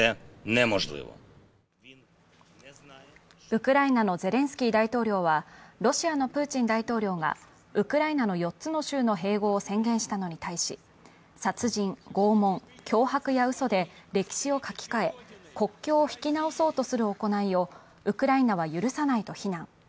ウクライナのゼレンスキー大統領はロシアのプーチン大統領がウクライナの４つの州の併合を宣言したのに対し、殺人、拷問、脅迫や嘘で歴史を書き換え、国境を引き直そうとする行いをウクライナは許さないと非難。